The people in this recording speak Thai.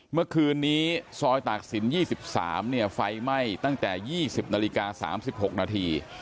เมื่อคืนนี้ซอยตากศิลป์ยี่สิบสามเนี่ยไฟไหม้ตั้งแต่ยี่สิบนาฬิกาสามสิบหกนาที